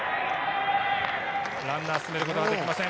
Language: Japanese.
ランナーを進めることができません。